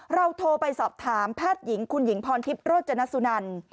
เราโทรไปสอบถามแพทย์หญิงคุณหญิงพรทิพย์โรจนสุนัน